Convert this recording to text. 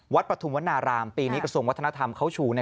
ปฐุมวนารามปีนี้กระทรวงวัฒนธรรมเขาชู